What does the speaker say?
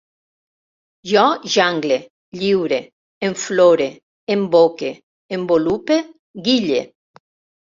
Jo jangle, lliure, enflore, emboque, envolupe, guille